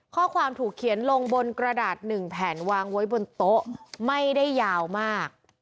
ข้อความถูกเขียนลงบนกระดาษหนึ่งแผ่นวางไว้บนโต๊ะไม่ได้ยาวมาก